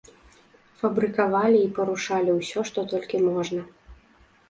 Фабрыкавалі і парушалі ўсё, што толькі можна.